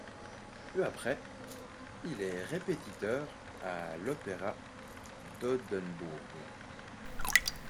Peu après, il est répétiteur à l'opéra d'Oldenburg.